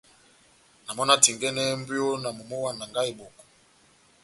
Na mɔ́ na tingɛnɛhɛ mbwiyo na momó wa Nanga-Eboko.